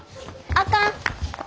あかん！